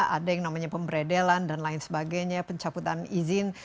ada yang namanya pemberedelan dan lain sebagainya pencaputan izin